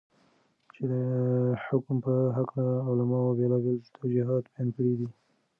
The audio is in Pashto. چې دحكم په هكله علماؤ بيلابيل توجيهات بيان كړي دي.